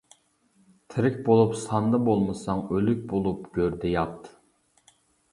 تىرىك بولۇپ ساندا بولمىساڭ، ئۆلۈك بولۇپ گۆردە يات.